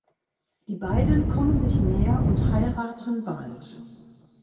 Die beiden kommen sich näher und heiraten bald.